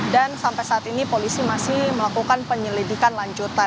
dan sampai saat ini polisi masih melakukan penyelidikan lanjutan